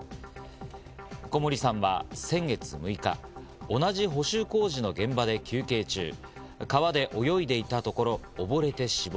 小森さんは先月６日、同じ補修工事の現場で休憩中、川で泳いでいたところ溺れて死亡。